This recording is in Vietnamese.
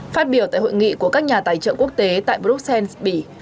phát biểu tại hội nghị của các nhà tài trợ quốc tế tại bruxelles bỉ